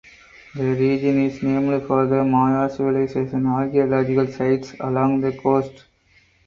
The region is named for the Maya Civilization archeological sites along the coast.